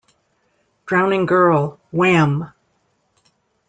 "Drowning Girl", "Whaam!